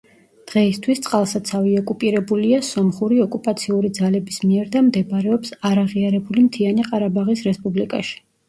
დღეისთვის წყალსაცავი ოკუპირებულია სომხური ოკუპაციური ძალების მიერ და მდებარეობს არაღიარებული მთიანი ყარაბაღის რესპუბლიკაში.